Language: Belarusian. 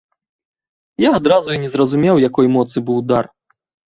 Я адразу і не зразумеў, якой моцы быў удар.